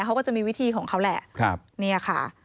เขาก็จะมีวิธีของเขาแหละเนี่ยค่ะ